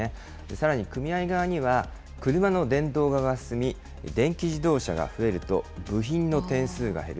さらに組合側には車の電動化が進み、電気自動車が増えると、部品の点数が減る。